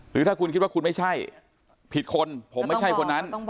หรือถ้าคุณคิดว่าคุณไม่ใช่ผิดคนผมไม่ใช่คนนั้น